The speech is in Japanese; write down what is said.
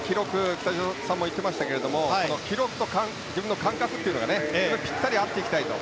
北島さんも言っていましたが記録と自分の感覚がぴったり合っていきたいと。